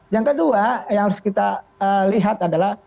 yang kedua yang harus kita lihat adalah